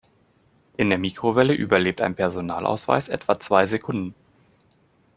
In der Mikrowelle überlebt ein Personalausweis etwa zwei Sekunden.